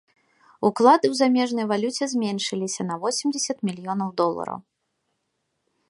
Уклады ў замежнай валюце зменшыліся на восемдзесят мільёнаў долараў.